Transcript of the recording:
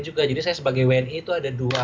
juga jadi saya sebagai wni itu ada dua